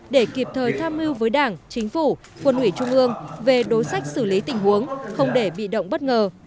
để kịp thời tham mưu với đảng chính phủ quân ủy trung ương về đối sách xử lý tình huống không để bị động bất ngờ